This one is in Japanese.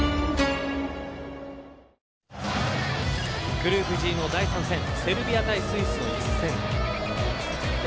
グループＧの第３戦セルビア対スイスの一戦。